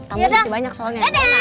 tamu masih banyak soalnya